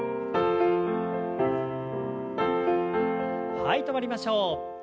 はい止まりましょう。